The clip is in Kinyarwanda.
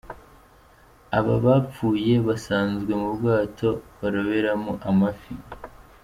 Aba bapfuye basanzwe mu bwato baroberamo amafi.